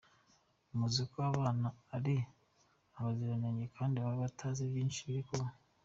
Muzi uko abana ari abaziranenge kandi baba batazi byinshi biri kuba.